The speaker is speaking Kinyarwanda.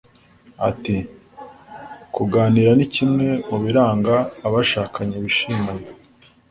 Ati “Kuganira ni kimwe mu biranga abashakanye bishimanye